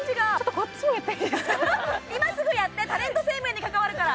今すぐやって、タレント生命に関わるから！